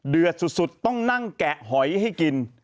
สุดต้องนั่งแกะหอยให้กิน